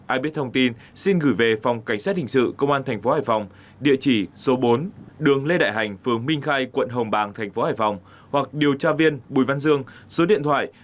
ai biết thông tin xin gửi về phòng cảnh sát hình sự công an thành phố hải phòng địa chỉ số bốn đường lê đại hành phường minh khai quận hồng bàng thành phố hải phòng hoặc điều tra viên bùi văn dương số điện thoại chín trăm bốn mươi sáu tám trăm chín mươi tám sáu trăm tám mươi ba